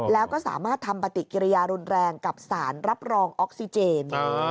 แล้วก็สามารถทำปฏิกิริยารุนแรงกับสารรับรองออกซิเจน